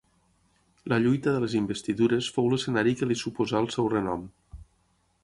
La Lluita de les Investidures fou l'escenari que li suposà el seu renom.